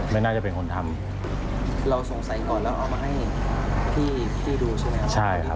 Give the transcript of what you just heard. ไม่น่าจะเป็นคนทำเราสงสัยก่อนแล้วเอามาให้พี่ดูใช่ไหมครับใช่ครับ